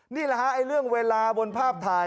นี่แหละฮะเรื่องเวลาบนภาพถ่าย